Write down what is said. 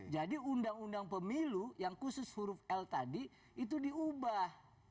jadi undang undang pemilu yang khusus huruf l tadi itu diubah